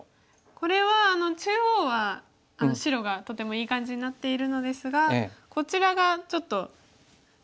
これは中央は白がとてもいい感じになっているのですがこちらがちょっと地には。